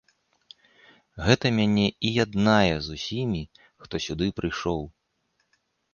Гэта мяне і яднае з усімі, хто сюды прыйшоў.